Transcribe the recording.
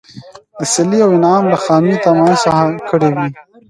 د صلې او انعام له خامي طمعي څخه کړي وي.